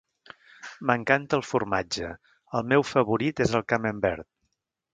M'encanta el formatge; el meu favorit és el camembert.